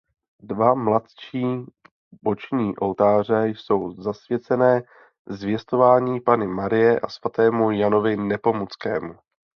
Dva mladší boční oltáře jsou zasvěcené Zvěstování Panny Marie a svatému Janovi Nepomuckému.